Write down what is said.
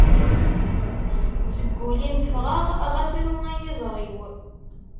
Seg ul-im fɣeɣ, xas ru ay iẓri-w.